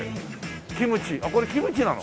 キムチあっこれキムチなの？